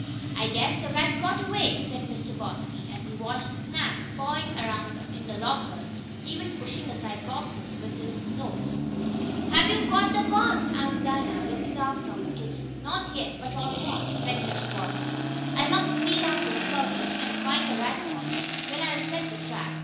"I guess the rat got away," said Mr. Bobbsey, as he watched Snap pawing around in the locker, even pushing aside boxes with his nose. "Hab yo' cotched de ghost?" asked Dinah, looking out from her kitchen. "Not yet but almost," said Mr. Bobbsey. "I must clean out this closet, and find the rat hole. Then I'll set the trap.